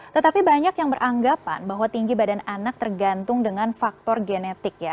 tetapi banyak yang beranggapan bahwa tinggi badan anak tergantung dengan faktor genetik ya